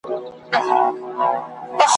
لا اوس هم نه يې تر ځايه رسېدلى `